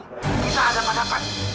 kita ada padakan